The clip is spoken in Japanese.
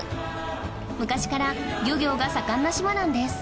昔から漁業が盛んな島なんです